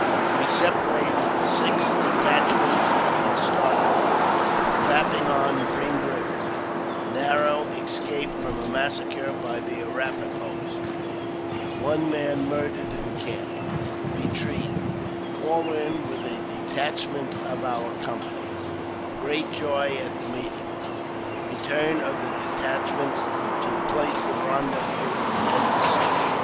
We separate into six Detachments, and start out — Trapping on Green Eiver — Narrow Escape from a Massacre by the Arrap a hos — One Man mur dered in Camp— Retreat— Fall in with a Detachment of our Company — Great Joy at the Meeting — Return of the Detachments to the Place of Rendezvous at the " Suck."